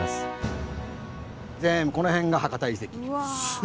全部この辺が博多遺跡です。